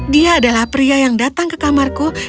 dia adalah pria yang datang ke kamarku